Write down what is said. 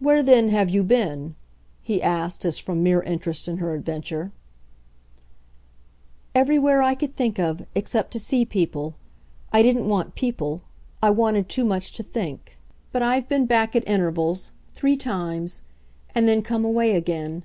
"Where then have you been?" he asked as from mere interest in her adventure. "Everywhere I could think of except to see people. I didn't want people I wanted too much to think. But I've been back at intervals three times; and then come away again.